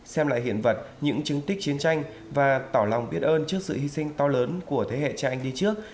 xem lại hiện vật những chứng tích chiến tranh và tỏ lòng biết ơn trước sự hy sinh to lớn của thế hệ cha anh đi trước